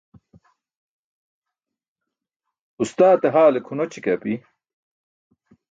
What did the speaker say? Uṣtaate haale kʰonoći ke api.